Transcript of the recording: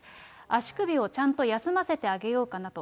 足首をちゃんと休ませてあげようかなと。